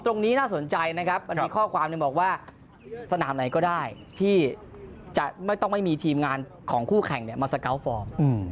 ตรงนี้น่าสนใจนะครับมันมีข้อความหนึ่งบอกว่าสนามไหนก็ได้ที่จะไม่ต้องไม่มีทีมงานของคู่แข่งมาสเกาะฟอร์ม